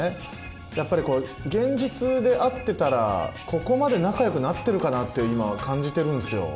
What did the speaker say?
やっぱりこう現実で会ってたらここまで仲良くなってるかなって今感じてるんすよ。